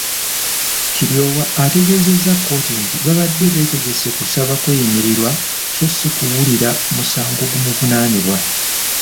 Kiryowa ategeezezza kkooti nti babadde beetegese kusaba kweyimirirwa so si kuwulira musango gumuvunaanibwa.